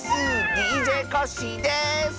ＤＪコッシーです！